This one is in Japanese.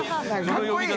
かっこいい。